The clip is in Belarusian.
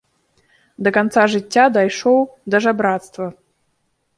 Да канца жыцця дайшоў да жабрацтва.